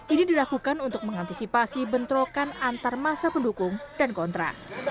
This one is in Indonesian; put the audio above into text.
ini dilakukan untuk mengantisipasi bentrokan antar masa pendukung dan kontra